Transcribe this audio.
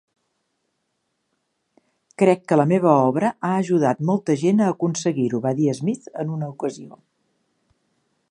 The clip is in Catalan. "Crec que la meva obra ha ajudat molta gent a aconseguir-ho", va dir Smith en una ocasió.